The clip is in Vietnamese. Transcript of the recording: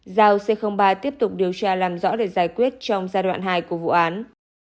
giao c ba tiếp tục điều tra làm rõ để giải quyết trong giai đoạn hai của vụ án